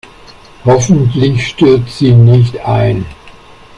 Hoffentlich stürzt sie nicht ein.